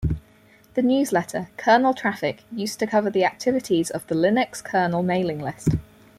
The newsletter "Kernel Traffic" used to cover the activities of the Linux-kernel mailing list.